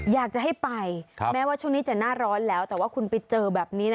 อยากจะให้ไปแม้ว่าช่วงนี้จะหน้าร้อนแล้วแต่ว่าคุณไปเจอแบบนี้นะ